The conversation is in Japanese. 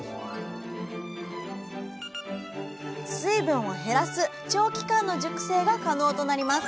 水分を減らす長期間の熟成が可能となります。